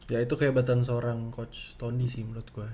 ya itu kehebatan seorang coach tony sih menurut gue